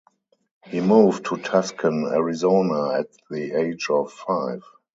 He moved to Tucson, Arizona at the age of five.